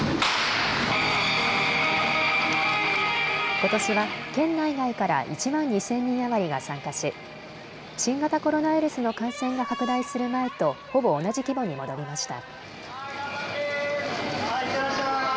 ことしは県内外から１万２０００人余りが参加し新型コロナウイルスの感染が拡大する前とほぼ同じ規模に戻りました。